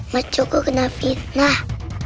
mas joko kena fitnah